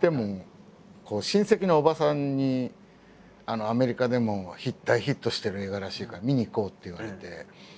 でも親戚のおばさんに「アメリカでも大ヒットしてる映画らしいから見に行こう」って言われて。